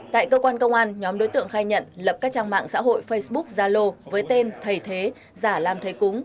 tại cơ quan công an nhóm đối tượng khai nhận lập các trang mạng xã hội facebook zalo với tên thầy thế giả lam thầy cúng